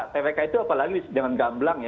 tpk itu apalagi dengan gamblang ya